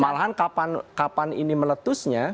malahan kapan ini meletusnya